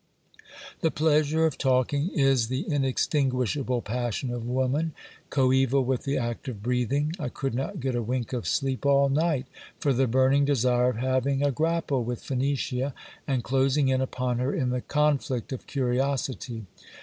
The pleasure of talking is the inextinguishable passion of woman, coeval with the act of breathing. I could not get a wink of sleep all night, for the burn ing desire of having a grapple with Phenicia, and closing in upon her in the conflict of curiosity.